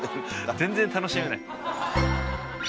全然楽しめない。